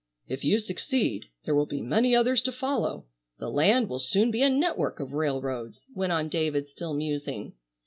"If you succeed there will be many others to follow. The land will soon be a network of railroads," went on David, still musing.